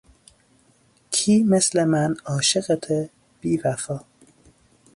کی مثل من عاشقته بی وفا